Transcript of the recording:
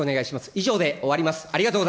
以上で終わります。